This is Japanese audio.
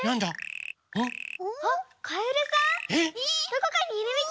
あっかえるさん？